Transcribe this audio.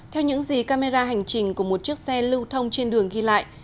theo những gì camera hành trình của một chiếc xe lưu thông trên đường ghi lại